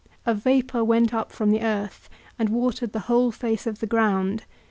_A vapour went up from the earth, and watered the whole face of the ground.